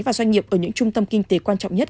và doanh nghiệp ở những trung tâm kinh tế quan trọng nhất